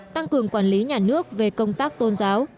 tăng cường quản lý nhà nước về công tác tôn giáo